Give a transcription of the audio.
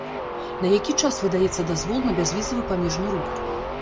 На які час выдаецца дазвол на бязвізавы памежны рух?